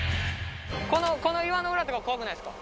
この岩の裏とか怖くないですか？